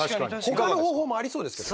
ほかの方法もありそうですけど。